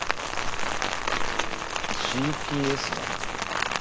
ＧＰＳじゃねえ？